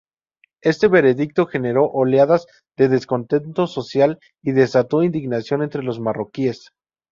Este veredicto generó oleadas de descontento social y desató indignación entre los marroquíes.